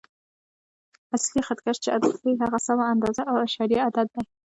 اصلي خط کش چې عدد ښیي، هغه سمه اندازه او اعشاریه عدد دی.